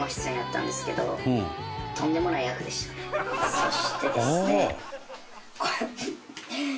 そしてですね。